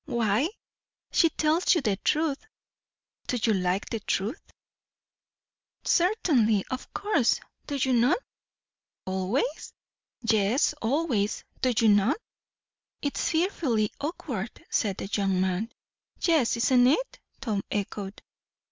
"Why?" "She tells you the truth." "Do you like the truth?" "Certainly. Of course. Do not you?" "Always?" "Yes, always. Do not you?" "It's fearfully awkward!" said the young man. "Yes, isn't it?" Tom echoed.